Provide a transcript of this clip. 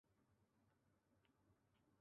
非甾体抗雄药不会降低雌激素水平。